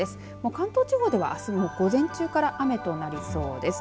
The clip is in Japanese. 関東地方ではあすの午前中から雨となりそうです。